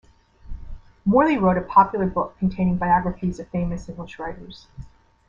Morley wrote a popular book containing biographies of famous English writers.